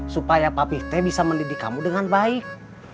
supaya papih teh bisa mendidik kamu dengan baik